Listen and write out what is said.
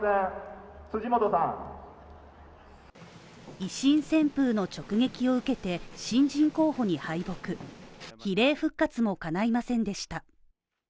維新旋風の直撃を受けて、新人候補に敗北、比例復活もかないませんでした。